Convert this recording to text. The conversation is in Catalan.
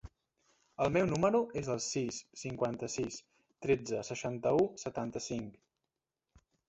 El meu número es el sis, cinquanta-sis, tretze, seixanta-u, setanta-cinc.